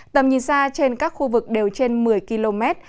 tầm nhìn xa trên các khu vực đều trên một mươi km